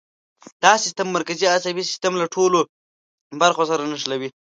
دا سیستم مرکزي عصبي سیستم له ټولو برخو سره نښلوي.